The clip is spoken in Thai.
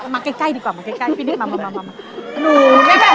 มาใกล้ใกล้ดีกว่ามาใกล้ใกล้พี่นิดมามามาหนู